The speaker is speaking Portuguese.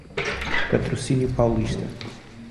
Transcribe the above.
Patrocínio Paulista